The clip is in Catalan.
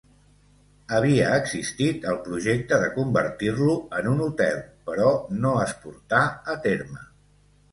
Havia existit el projecte de convertir-lo en un hotel, però no es portà a terme.